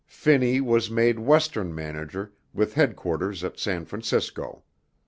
Finney was made Western manager with headquarters at San Francisco.